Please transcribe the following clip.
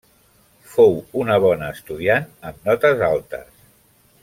Fou una bona estudiant amb notes altes.